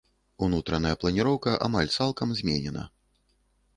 Унутраная планіроўка амаль цалкам зменена.